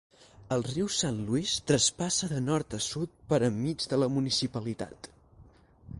El riu Saint Louis traspassa de nord a sud per enmig de la municipalitat.